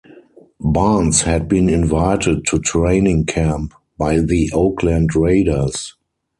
Barnes had been invited to training camp by the Oakland Raiders.